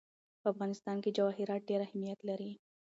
په افغانستان کې جواهرات ډېر اهمیت لري.